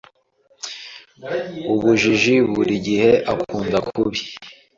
Ubujiji burigihe ukunda kubi